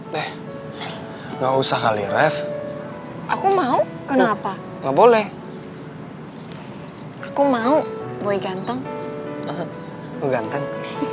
deh enggak usah kali ref aku mau kenapa nggak boleh aku mau boy ganteng ganteng